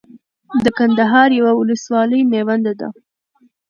د کندهار يوه ولسوالي ميوند ده